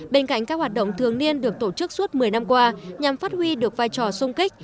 bên cạnh các hoạt động thường niên được tổ chức suốt một mươi năm qua nhằm phát huy được vai trò sung kích